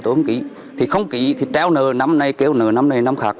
tôi không kỹ thì không kỹ thì treo nờ năm nay kéo nờ năm nay năm khác